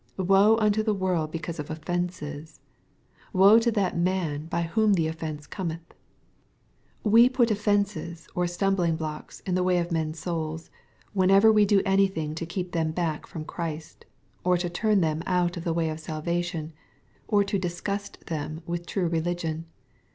"Woe unto the world because of offences 1 — Woe to that man by whom the offence Cometh." We put offences or stumblingblocks in the way of men's souls, whenever we do anything to keep them back from Christ,— or to turn them out of the way of salvation, — or to disgust them with true religion.